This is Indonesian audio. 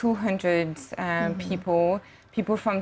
orang dari kelompok etnis berbeda